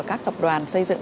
các tập đoàn xây dựng